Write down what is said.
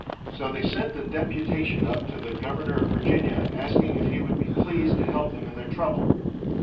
So they sent a deputation up to the Governor of Virginia asking if he would be pleased to help them in their trouble.